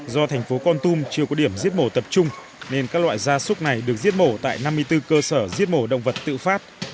do thành phố con tum chưa có điểm giết mổ tập trung nên các loại gia súc này được giết mổ tại năm mươi bốn cơ sở giết mổ động vật tự phát